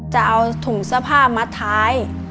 จะเอาถุงเสื้อผ้ามัดท้าย